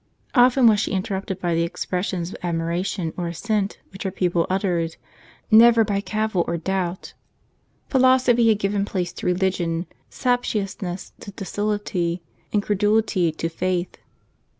Often was she interrupted by the expressions of admiration or assent which her pupil uttered; never by cavil or doubt. Philosophy had given place to religion, captiousness to docil ity, incredulity to faith.